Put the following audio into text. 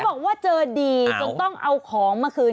บอกว่าเจอดีจนต้องเอาของมาคืน